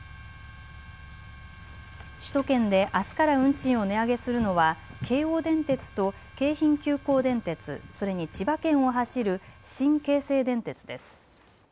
首都圏であすから運賃を値上げするのは京王電鉄と京浜急行電鉄、それに千葉県を走る新京成電鉄です。